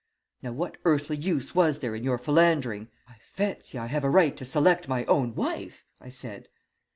Now, what earthly use was there in your philandering ' "'I fancy I have a right to select my own wife,' I said.